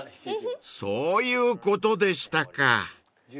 ［そういうことでしたか］